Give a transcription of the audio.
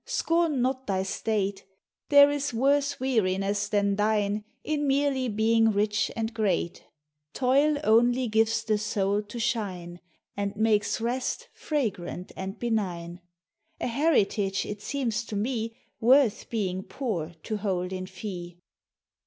scorn not thy state ; There is worse weariness than thiue, In merely being rich and great; Toil only gives the soul to shiue, And makes rest fragrant and benign — A heritage, it seems to me, Worth being poor to hold in fee.